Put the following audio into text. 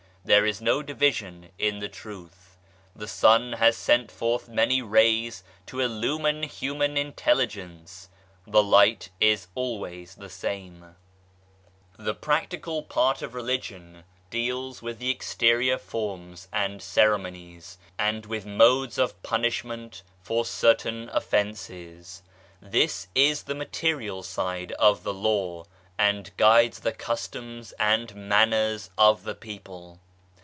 There is no division in the Truth. The Sun has sent forth many rays to illumine human intelligence, the light is always the same. 132 RELIGION AND SCIENCE The practical part of Religion deals with exterior forms and ceremonies, and with modes of punishment for certain offences. This is the material side of the law, and guides the customs and manners of the people.